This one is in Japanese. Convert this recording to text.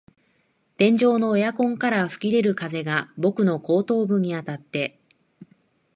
天井のエアコンから吹き出る風が僕の後頭部にあたって、